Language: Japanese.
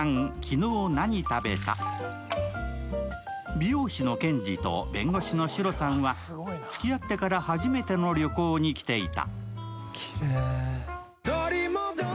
美容師のケンジと弁護士のシロさんはつきあってから初めての旅行に来ていた。